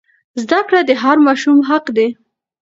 زده کړه د هر ماشوم حق دی.